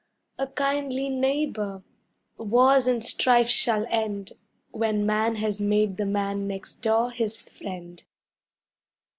A kindly neighbor! Wars and strife shall end When man has made the man next door his friend.